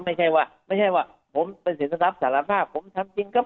ไม่ใช่ว่าไม่ใช่ว่าผมเป็นสินทรัพย์สารภาพผมทำจริงครับ